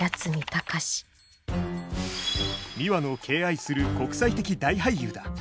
ミワの敬愛する国際的大俳優だ。